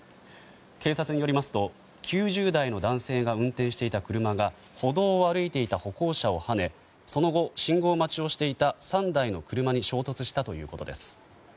警察によりますと９０代の男性が運転していた車が歩道を歩いていた歩行者をはねその後、信号待ちをしていた３台の車に衝突したということです。